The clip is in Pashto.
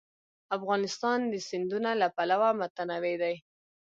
افغانستان د سیندونه له پلوه متنوع دی.